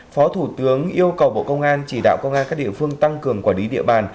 phó thủ tướng yêu cầu bộ công an chỉ đạo công an các địa phương tăng cường quản lý địa bàn